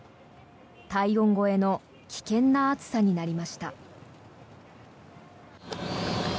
体温超えの危険な暑さになりました。